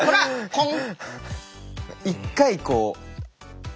コン！